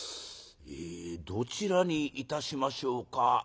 「えどちらにいたしましょうか。